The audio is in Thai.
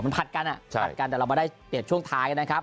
มันผัดกันอ่ะผลัดกันแต่เรามาได้เปรียบช่วงท้ายนะครับ